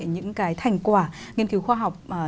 những cái thành quả nghiên cứu khoa học